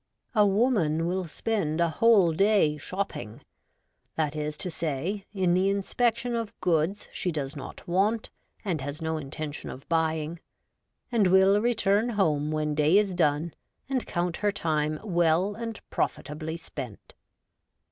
A woman will spend a whole day 'shopping' — that is to say, in the inspection of goods she does not want and has no intention of buying — and will return home when day is done and count her time well and profitably spent.